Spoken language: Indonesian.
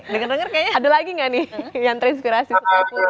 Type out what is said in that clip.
dengar dengar kayaknya ada lagi gak nih yang terinspirasi seperti itu